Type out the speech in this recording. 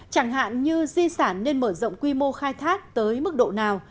chẳng hạn như di sản nên mở rộng quy mô khai thác tới mức độ nào